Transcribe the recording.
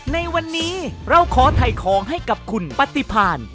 ในวันนี้เราขอถ่ายของให้กับคุณปฏิพาน